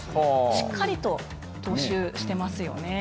しっかりと踏襲していますね。